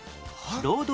ロード